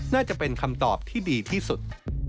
น่าจะเป็นคำตอบที่ดีที่สุด